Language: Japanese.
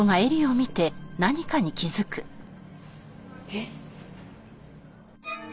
えっ？